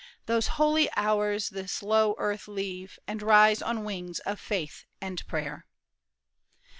Those holy hours this low earth leave, And rise on wings of faith and prayer."